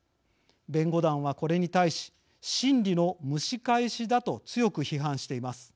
弁護団はこれに対し審理の蒸し返しだと強く批判しています。